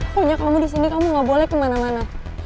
punya kamu di sini kamu gak boleh kemana mana